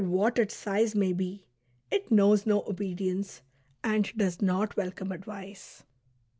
290 EPISTLE LXXXV. be, it knows no obedience, and does not welcome advice."